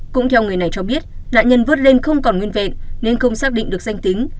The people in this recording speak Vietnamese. cũng theo người này cho biết nạn nhân vớt lên không còn nguyên vẹn nên không xác định được danh tính